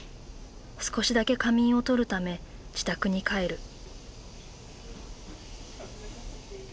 少しだけ仮眠を取るため自宅に帰る。